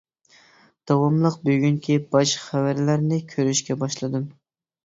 داۋاملىق بۈگۈنكى باش خەۋەرلەرنى كۆرۈشكە باشلىدىم.